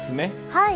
はい。